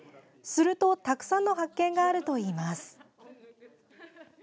すると、たくさんの発見があるといいます。